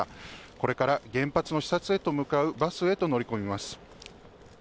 これから原発の視察へと向かうバスへと乗り込みます。